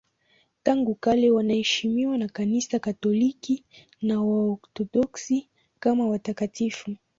Tangu kale wanaheshimiwa na Kanisa Katoliki na Waorthodoksi kama watakatifu.